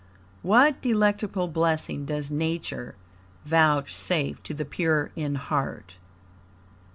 What delectable blessing does Nature vouchsafe to the pure in heart?"